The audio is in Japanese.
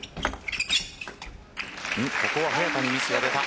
ここは早田にミスが出た。